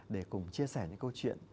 để cùng chia sẻ những câu chuyện